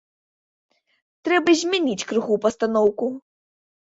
Трэба змяніць крыху пастаноўку.